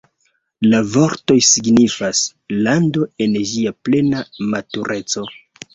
La vortoj signifas "lando en ĝia plena matureco".